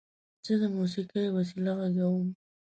زه د موسیقۍ وسایل غږوم.